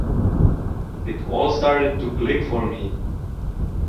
It all started to click for me.